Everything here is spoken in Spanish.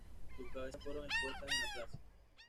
Sus cabezas fueron expuestas en la plaza.